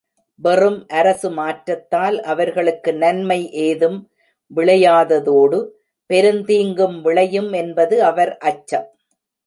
வெறும் அரசு மாற்றத்தால் அவர்களுக்கு நன்மை ஏதும் விளையாததோடு பெருந்தீங்கும் விளையும் என்பது அவர் அச்சம்.